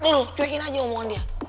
loh cuekin aja omongan dia